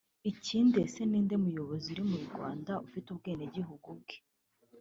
Ikindi ese ninde muyobozi uri mu Rwanda ufite ubwenegihugu bumwe